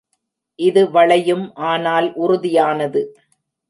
இது வளையும் ஆனால் உறுதியானது.